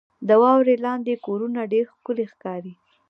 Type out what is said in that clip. • د واورې لاندې کورونه ډېر ښکلي ښکاري.